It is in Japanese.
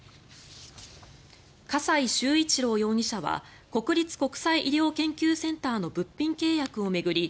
笠井崇一郎容疑者は国立国際医療研究センターの物品契約を巡り